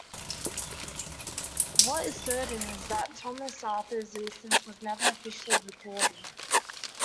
What is certain is that Thomas Arthur's innocence was never officially recorded.